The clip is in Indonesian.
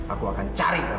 aku akan cari kamu